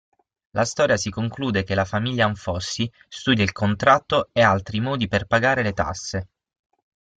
La storia si conclude che la famiglia Anfossi studia il contratto e altri modi per poter pagare le tasse.